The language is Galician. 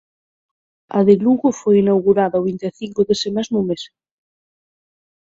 A de Lugo foi inaugurada o vinte e cinco dese mesmo mes.